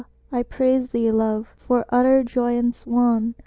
I praise thee, Love, for utter joyance won!